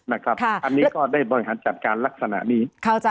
อันนี้ก็ได้บริหารจัดการลักษณะนี้